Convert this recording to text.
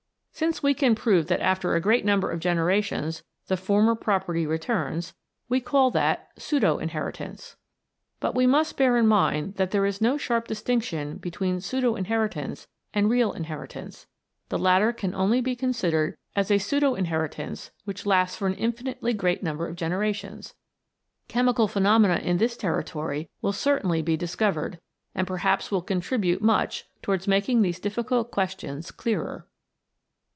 Since we can prove that after a great number of generations the former property returns, we call that Pseudo Inheritance. But we must bear in mind that there is no sharp distinction between pseudo inheritance and real inheritance. The latter can only be considered as a pseudo inheritance which lasts for an infinitely great number of generations. Chemical pheno mena in this territory will certainly be discovered, and perhaps will contribute much towards making these difficult questions clearer.